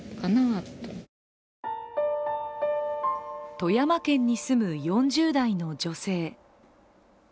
富山県に住む４０代の女性。